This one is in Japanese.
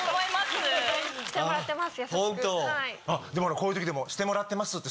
こういう時でも「してもらってます」って。